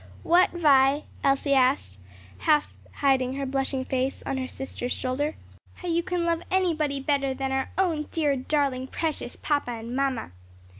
"What, Vi?" Elsie asked, half hiding her blushing face on her sister's shoulder. "How you can love anybody better than our own dear, darling, precious papa and mamma."